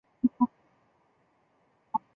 规模最大的示威发生在欧洲。